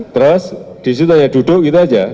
terus disitu hanya duduk gitu saja